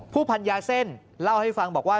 พันยาเส้นเล่าให้ฟังบอกว่า